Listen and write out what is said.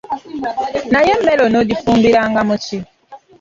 Naye emmere onoogifumbiranga mu ki?